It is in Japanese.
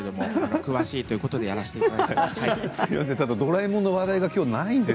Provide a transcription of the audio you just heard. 詳しいということでやらせてもらっています。